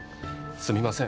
すみません